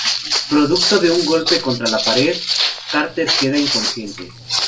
Producto de un golpe contra la pared, Carter queda inconsciente.